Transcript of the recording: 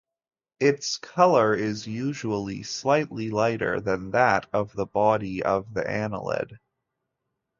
Its color is usually slightly lighter than that of the body of the annelid.